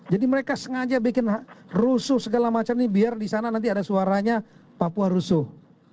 jadi mereka sengaja bikin rusuh segala macam ini biar di sana nanti ada suaranya papua rusuh